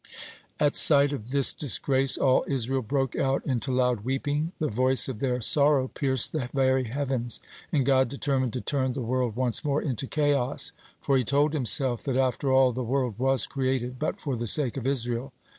At sight of this disgrace, all Israel broke out into loud weeping. The voice of their sorrow pierced the very heavens, and God determined to turn the world once more into chaos, for He told Himself, that after all the world was created but for the sake of Israel.